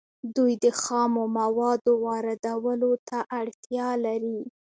دوی د خامو موادو واردولو ته اړتیا لري